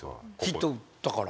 ヒット打ったから？